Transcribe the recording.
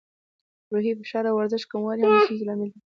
روحي فشار او د ورزش کموالی هم د ستونزو لامل دی.